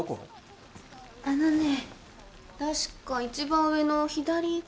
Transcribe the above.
あのね確か一番上の左かな。